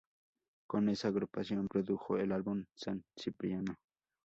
Con esa agrupación produjo el álbum San Cipriano.